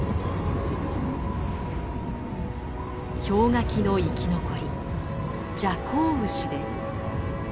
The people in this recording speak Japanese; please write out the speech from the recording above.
氷河期の生き残りジャコウウシです。